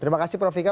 terima kasih prof ika